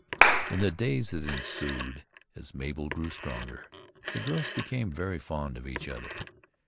In the days that ensued, as Mabel grew stronger, the girls became very fond of each other.